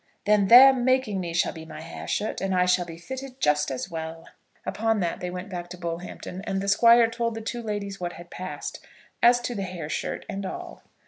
"Then their making me shall be my hair shirt, and I shall be fitted just as well." Upon that they went back to Bullhampton, and the Squire told the two ladies what had passed; as to the hair shirt and all.